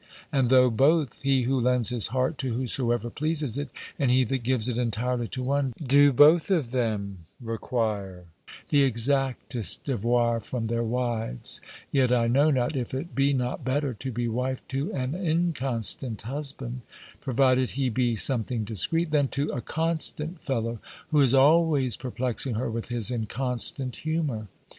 And though both, he who lends his heart to whosoever pleases it, and he that gives it entirely to one, do both of them require the exactest devoir from their wives, yet I know not if it be not better to be wife to an inconstant husband (provided he be something discreet), than to a constant fellow who is always perplexing her with his inconstant humour.